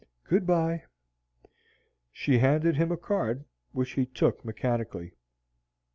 Good by." She handed him a card, which he took mechanically.